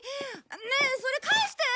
ねえそれ返して！